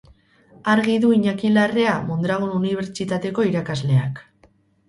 Argi du Iñaki Larrea Mondragon Unibertsitateko irakasleak.